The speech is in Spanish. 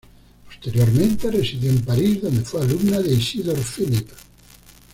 Posteriormente residió en París, donde fue alumna de Isidor Philipp.